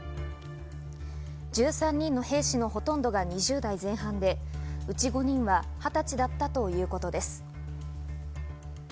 １３人の兵士のほとんどが２０代前半で、うち５人は２０歳だったということです。